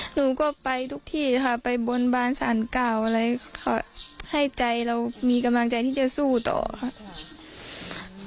หนูก็ไปทุกที่ค่ะไปบนบานสารเก่าอะไรค่ะให้ใจเรามีกำลังใจที่จะสู้ต่อค่ะ